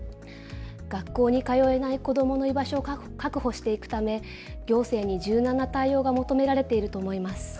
学校に通えない子どもの居場所を確保していくため行政に柔軟な対応が求められていると思います。